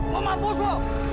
mau mampus lo